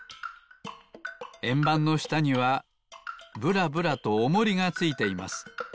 えんばんのしたにはぶらぶらとおもりがついています。